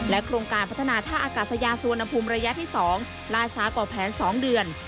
โครงการพัฒนาท่าอากาศยาสุวรรณภูมิระยะที่๒ล่าช้ากว่าแผน๒เดือน